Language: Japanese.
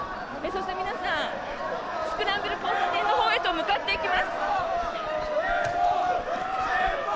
そして、皆さんスクランブル交差点のほうへと向かっていきます。